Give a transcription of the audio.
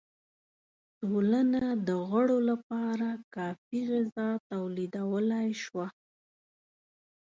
ټولنه د غړو لپاره کافی غذا تولیدولای شوه.